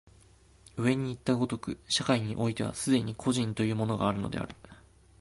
上にいった如く、社会においては既に個人というものがあるのである。